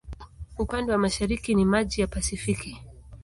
Upande wa mashariki ni maji ya Pasifiki.